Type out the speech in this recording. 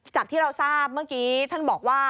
ที่เราทราบเมื่อกี้ท่านบอกว่า